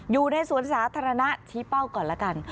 อยู่ในสวนสาธารณะชี้เป้าก่อนละกัน